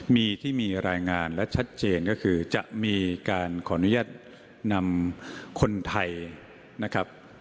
มีที่มีรายงานและชัดเจนก็คือจะมีการขออนุญาตนำคนไทยนะครับ